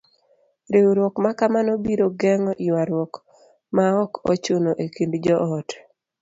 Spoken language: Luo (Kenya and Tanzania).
Riwruok ma kamano biro geng'o yuaruok maok ochuno e kind joot.